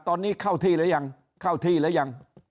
ตอนนี้เข้าที่หรือยังเข้าที่หรือยัง